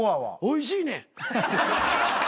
おいしいねん。